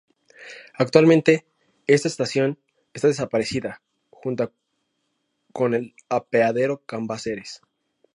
Actualmente esta estación esta desaparecida junta con el apeadero Cambaceres.